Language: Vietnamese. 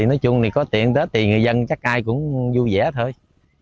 nói chung thì có tiện tết thì người dân chắc ai cũng vui vẻ thôi